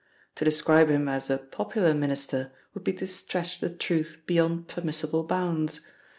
To describe him as a popular Minister would be to stretch the truth beyond permissible bounds.